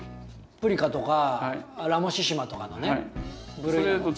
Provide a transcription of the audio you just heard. プリカとかラモシシマとかのね部類なの？